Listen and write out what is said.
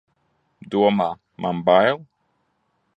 Domā, man bail!